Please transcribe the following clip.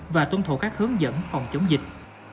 và tuân thủ các hướng dẫn phòng chống dịch